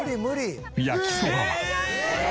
焼きそばは。